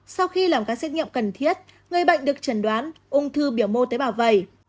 sau khi làm các xét nghiệm cần thiết người bệnh được trần đoán ung thư biểu mô tế bào vẩy